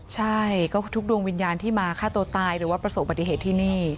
ใช่ก็คือทุกดวงวิญญาณที่มาฆ่าตัวตายหรือว่าประสบปฏิเหตุที่นี่